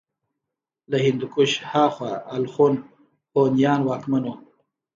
له هندوکش هاخوا الخون هونيان واکمن وو